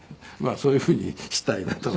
そういうふうにしたいなと。